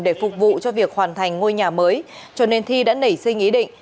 để phục vụ cho việc hoàn thành ngôi nhà mới cho nên thi đã nảy sinh ý định